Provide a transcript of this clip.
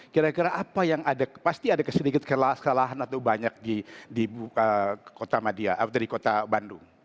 kira kira apa yang ada pasti ada keselilikan atau banyak di kota bandung